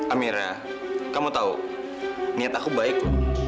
amira kamu tahu niat aku baik